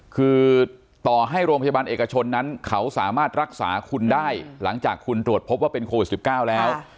คือต่อให้โรงพยาบาลเอกชนนั้นเขาสามารถรักษาคุณได้หลังจากคุณตรวจพบว่าเป็นโควิด๑๙แล้ว